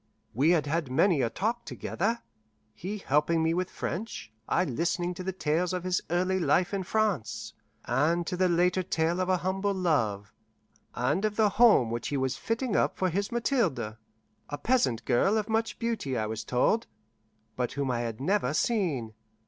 We had had many a talk together; he helping me with French, I listening to the tales of his early life in France, and to the later tale of a humble love, and of the home which he was fitting up for his Mathilde, a peasant girl of much beauty, I was told, but whom I had never seen.